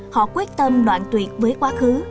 họ quyết tâm đoạn tuyệt với quá khứ